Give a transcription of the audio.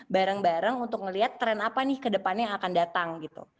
bareng bareng untuk melihat tren apa nih kedepannya yang akan datang gitu